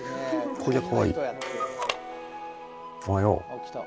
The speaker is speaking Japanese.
おはよう。